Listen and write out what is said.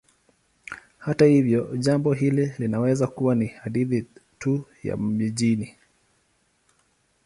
Hata hivyo, jambo hili linaweza kuwa ni hadithi tu ya mijini.